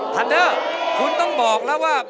ทันเดอร์คุณต้องบอกแล้วว่า